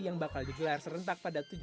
yang bakal digelar serentak pada